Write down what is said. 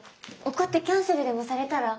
怒ってキャンセルでもされたら。